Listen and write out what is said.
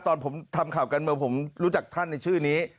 ตอนผมทำข่าวการเมืองผมรู้จักท่านในชื่อนี้